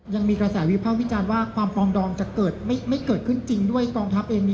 ยังมีกระแสวิภาควิจารณ์ว่าความปลองดองจะไม่เกิดขึ้นจริงด้วยกองทัพเอง